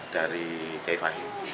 dari k fahim